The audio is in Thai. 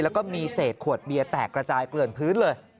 แล้วก็มีเศษขวดเบียร์แตกระจายเกลื่อนพื้นเลย